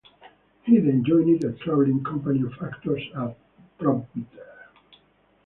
He then joined a travelling company of actors as prompter.